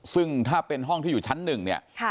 ซึ่งถ้าเป็นห้องที่อยู่ชั้นหนึ่งเนี่ย